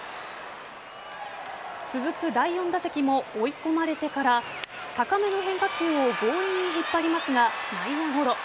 続く第４打席も追い込まれてから高めの変化球を強引に引っ張りますが内野ゴロ。